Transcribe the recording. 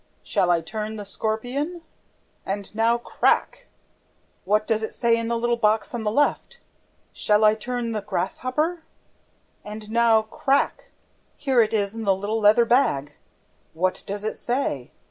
'SHALL I TURN THE SCORPION?' ... And now, crack! What does it say in the little box on the left? 'SHALL I TURN THE GRASSHOPPER?' ... And now, crack! Here it is in the little leather bag ... What does it say?